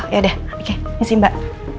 yaudah oke isi mbak